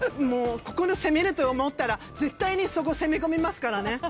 もうここ攻めると思ったら絶対にそこ攻め込みますからね。